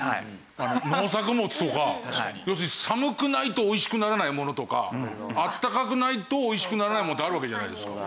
農作物とか要するに寒くないと美味しくならないものとか暖かくないと美味しくならないものってあるわけじゃないですか。